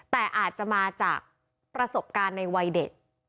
แต่อาจจะมาจากประสบการณ์ในวัยเด็ก